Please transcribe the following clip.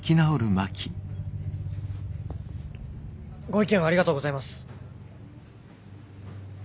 ご意見をありがとうございます。